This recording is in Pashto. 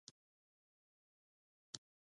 ایا انټرنیټ کاروئ؟